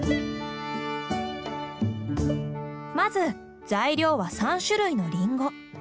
まず材料は３種類のリンゴ。